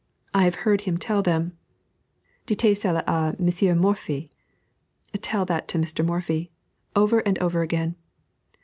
I have heard him tell them, "Dites cela à M. Morphy," (Tell that to Mr. Morphy,) over and over again.